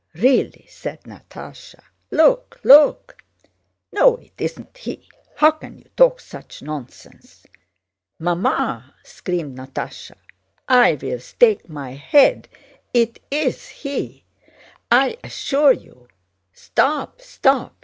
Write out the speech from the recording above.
Really," said Natásha, "look, look!" "No, it's not he. How can you talk such nonsense?" "Mamma," screamed Natásha, "I'll stake my head it's he! I assure you! Stop, stop!"